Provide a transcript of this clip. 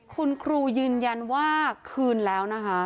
คุณครูยืนยันว่าคืนแล้วนะคะ